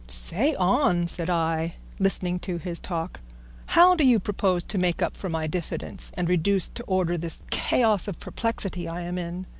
"Say on," said I, listening to his talk; "how do you propose to make up for my diffidence, and reduce to order this chaos of perplexity I am in?"